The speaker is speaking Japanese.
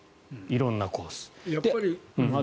色んなコース。